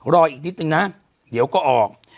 รออีกนิดนึงนะเดี๋ยวก็ออก